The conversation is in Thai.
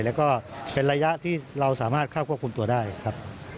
แล้วก็เป็นระยะที่เราสามารถเข้าควบคุมตัวได้ครับ